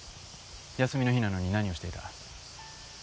休みの日なのに何をしていた？